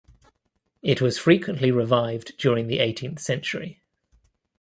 It was frequently revived during the eighteenth century.